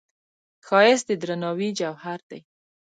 ښایست د درناوي جوهر دی